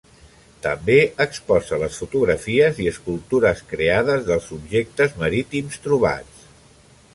També exposa les fotografies i escultures creades dels objectes marítims trobats.